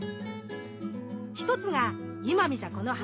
１つが今見たこの花！